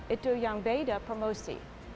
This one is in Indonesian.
itu yang beda promosi